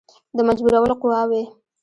د مجبورولو قواوي.